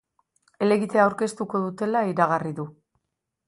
Helegitea aurkeztuko dutela iragarri du.